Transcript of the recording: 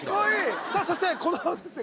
さあそしてこのあとですね